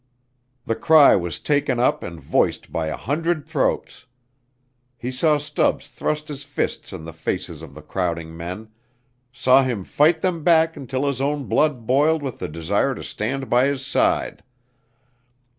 The cry was taken up and voiced by a hundred throats. He saw Stubbs thrust his fists in the faces of the crowding men, saw him fight them back until his own blood boiled with the desire to stand by his side.